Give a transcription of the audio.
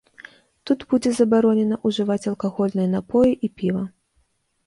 Тут будзе забаронена ўжываць алкагольныя напоі і піва.